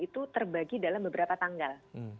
itu terbagi dalam beberapa tanggal